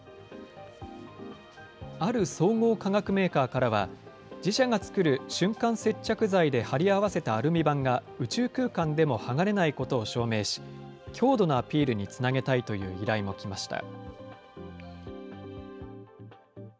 ある総合化学メーカーからは、自社が作る瞬間接着剤で貼り合わせたアルミ板が宇宙空間でも剥がれないことを証明し、強度のアピールにつなげたいという依頼も来ました。